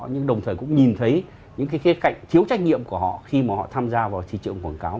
nhưng đồng thời cũng nhìn thấy những cái khía cạnh thiếu trách nhiệm của họ khi mà họ tham gia vào thị trường quảng cáo